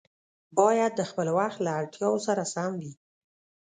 باید د خپل وخت له اړتیاوو سره سم وي.